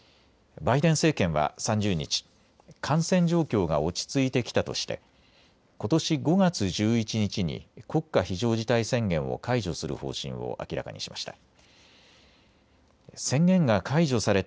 バイデン政権は３０日、感染状況が落ち着いてきたとしてことし５月１１日に国家非常事態宣言を解除する方針を明らかにしました。